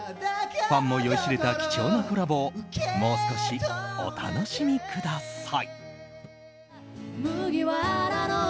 ファンも酔いしれた貴重なコラボをもう少しお楽しみください。